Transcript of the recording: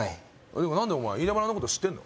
何でお前イイダ村のこと知ってんの？